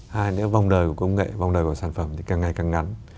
hai nữa vòng đời của công nghệ vòng đời của sản phẩm thì càng ngày càng ngắn